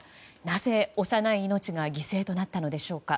なぜ、幼い命が犠牲となったのでしょうか。